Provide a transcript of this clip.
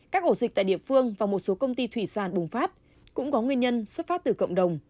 các ổ dịch tại địa phương và một số công ty thủy sản bùng phát cũng có nguyên nhân xuất phát từ cộng đồng